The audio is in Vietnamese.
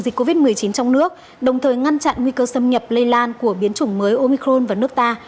dịch covid một mươi chín trong nước đồng thời ngăn chặn nguy cơ xâm nhập lây lan của biến chủng mới omicron vào nước ta